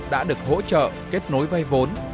đã được hỗ trợ kết nối vay vốn